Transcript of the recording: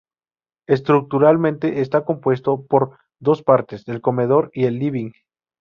Estructuralmente está compuesto por dos partes: el comedor y el living.